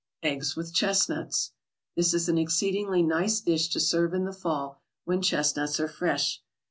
EGGS WITH CHESTNUTS This is an exceedingly nice dish to serve in the Fall when chestnuts are fresh.